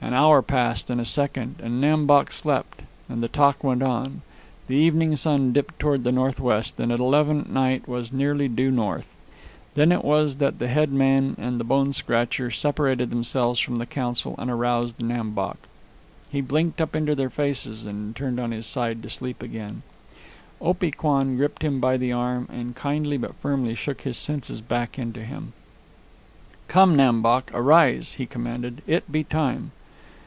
An hour passed, and a second, and Nam Bok slept, and the talk went on. The evening sun dipped toward the northwest, and at eleven at night was nearly due north. Then it was that the head man and the bone scratcher separated themselves from the council and aroused Nam Bok. He blinked up into their faces and turned on his side to sleep again. Opee Kwan gripped him by the arm and kindly but firmly shook his senses back into him. "Come, Nam Bok, arise!" he commanded. "It be time."